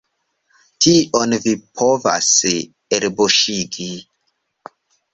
Tion vi povas elbuŝigi!